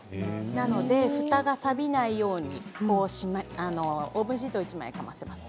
なので、ふたがさびないようにオーブンシートを１枚かませます。